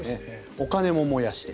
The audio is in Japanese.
お金も燃やして。